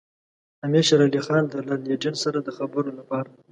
امیر شېر علي خان د لارډ لیټن سره د خبرو لپاره.